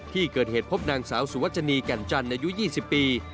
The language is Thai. ที่เกิดเหตุพบนางสาวสุวัชนีแก่นจันทร์อายุ๒๐ปี